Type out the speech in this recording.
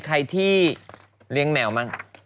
ใครที่เลี้ยงแมวบ้าง